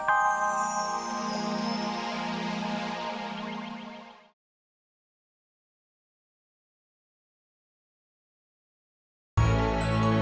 kiriman anak bapak atau untuk bapak